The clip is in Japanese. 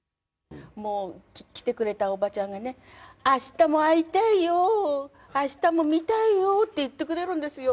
もう来てくれたおばちゃんがね、明日も会いたいよ、明日も見たいよって言ってくれるんですよ。